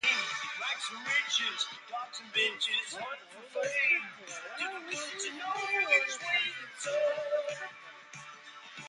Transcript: Its capital was Pretoria, which was also the country's executive capital.